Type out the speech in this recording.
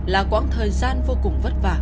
là quãng thời gian vô cùng vất vả